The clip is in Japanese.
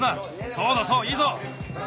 そうだそういいぞ。